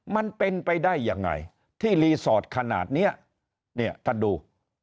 มันเป็นไปได้ยังไงที่รีสอร์ทขนาดเนี้ยเนี่ยท่านดู